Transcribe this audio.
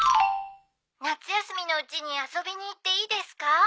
☎夏休みのうちに遊びに行っていいですか？